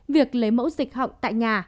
việc lấy mẫu dịch họng tại nhà